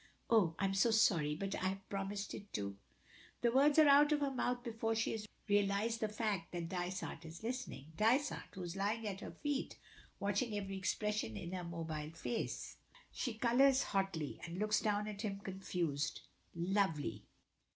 "Oh! I am so sorry, but I have promised it to " The words are out of her mouth before she has realized the fact that Dysart is listening Dysart, who is lying at her feet, watching every expression in her mobile face. She colors hotly, and looks down at him confused, lovely.